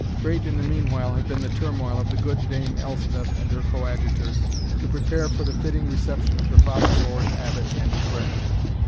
Great, in the meanwhile, had been the turmoil of the good Dame Elspeth and her coadjutors, to prepare for the fitting reception of the Father Lord Abbot and his retinue.